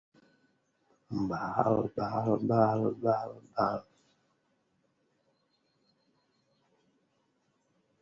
বর্গ অলিভার জাতীয়তাবাদী রাজনীতিতে অবতীর্ণ একটি পরিবারে বেড়ে ওঠেন।